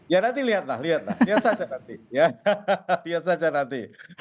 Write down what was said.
ya nanti lihat lah lihat lah lihat saja nanti ya hahaha lihat saja nanti